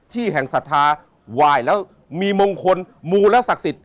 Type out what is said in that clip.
ที่แห่งศาธาวายแล้วมีมงคลมูและศักดิ์สิทธิ์